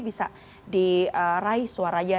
bisa diraih suaranya